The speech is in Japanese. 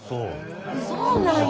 そうなんや。